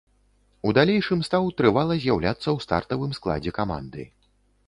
У далейшым стаў трывала з'яўляцца ў стартавым складзе каманды.